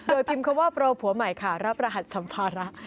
โดยพิมพ์คำว่าโปรผัวใหม่ค่ะรับรหัสสัมภาระ